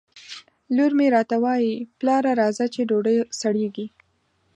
لور مې راته وایي ! پلاره راځه چې ډوډۍ سړېږي